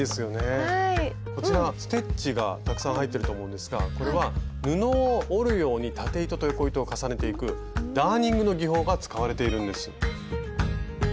こちらステッチがたくさん入ってると思うんですがこれは布を織るように縦糸と横糸を重ねていくダーニングの技法が使われているんです。